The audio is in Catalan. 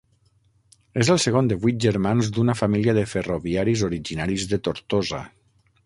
És el segon de vuit germans d'una família de ferroviaris originaris de Tortosa.